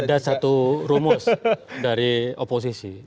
ada satu rumus dari oposisi